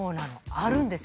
あるんですよ。